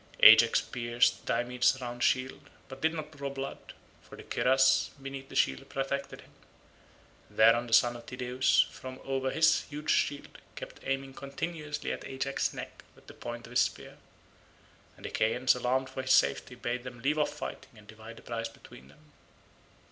Ajax pierced Diomed's round shield, but did not draw blood, for the cuirass beneath the shield protected him; thereon the son of Tydeus from over his huge shield kept aiming continually at Ajax's neck with the point of his spear, and the Achaeans alarmed for his safety bade them leave off fighting and divide the prize between them.